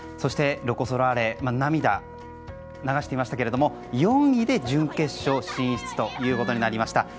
そして、ロコ・ソラーレ涙を流していましたけれども４位で準決勝進出となりました。